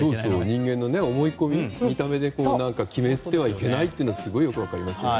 人間の思い込み、見た目で決めてはいけないというのがすごいよく分かりますし